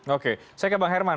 oke saya ke bang herman